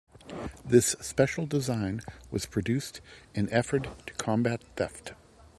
This special design was produced in effort to combat theft.